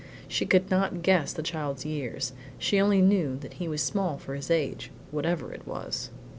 She could not guess the child's years, she only knew that he was small for his age, whatever it was.